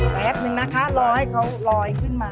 แป๊บนึงนะคะรอให้เขาลอยขึ้นมา